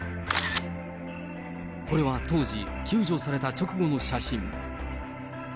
これは当時、救助された直後の写真。